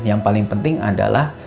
yang paling penting adalah